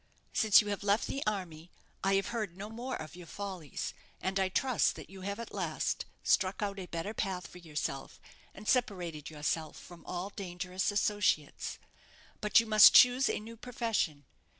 Since you have left the army, I have heard no more of your follies; and I trust that you have at last struck out a better path for yourself, and separated yourself from all dangerous associates. But you must choose a new profession.